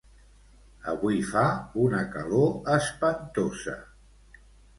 Avui fa una calor espantosa